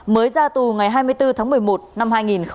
mới ra tù ngày hai mươi bốn tháng một mươi một năm hai nghìn hai mươi một